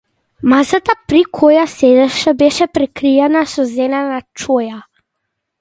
Масата при која седеше беше прекриена со зелена чоја.